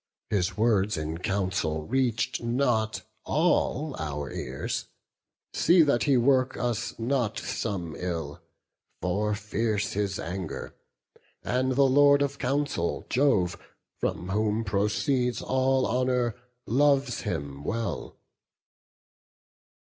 His words in council reach'd not all our ears: See that he work us not some ill; for fierce His anger; and the Lord of counsel, Jove, From whom proceeds all honour, loves him well."